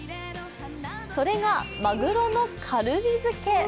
それが、マグロのカルビ漬け。